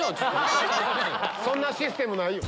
そんなシステムないよ。